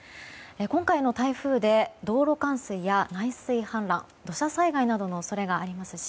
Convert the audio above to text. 今回の台風で道路冠水や内水氾濫土砂災害などの恐れがありますし